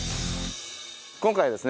今回ですね